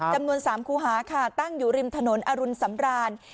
จำนวน๓คูหาค่ะตั้งอยู่ริมถนนอรุณสำราน